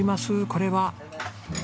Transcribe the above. これは。